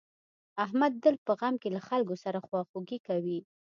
احمد تل په غم کې له خلکو سره خواخوږي کوي.